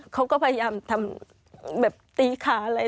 เขาก็พยายามทำแบบตีขาอะไร